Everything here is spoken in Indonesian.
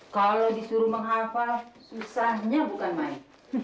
kalau disuruh menghafal susahnya bukan main